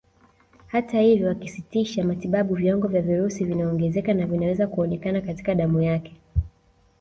Hata hivyo wakisitisha matibabu viwango vya virusi vinaongezeka na vinaweza kuonekana katika damu yake